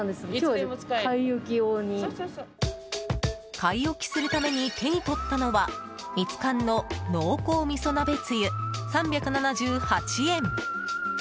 買い置きするために手に取ったのはミツカンの濃厚みそ鍋つゆ３７８円。